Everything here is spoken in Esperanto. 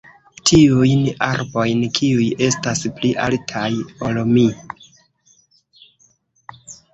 tiujn arbojn kiuj estas pli altaj ol mi!